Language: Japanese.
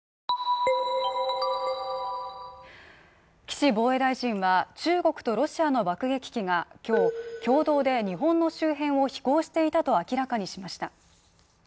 岸防衛大臣は中国とロシアの爆撃機が今日、共同で日本の周辺を飛行していたと明らかにしました。